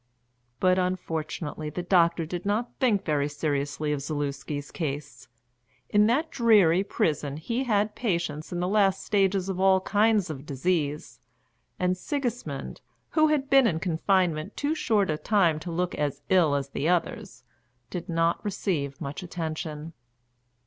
But unfortunately the doctor did not think very seriously of Zaluski's case. In that dreary prison he had patients in the last stages of all kinds of disease, and Sigismund, who had been in confinement too short a time to look as ill as the others, did not receive much attention.